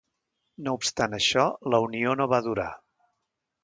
No obstant això, la unió no va durar.